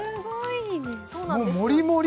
そうなんですよ